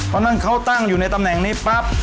เพราะฉะนั้นเขาตั้งอยู่ในตำแหน่งนี้ปั๊บ